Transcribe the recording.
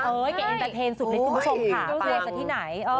เอ้ยแกเองตะเทนสุดในคุณผู้ชมค่ะ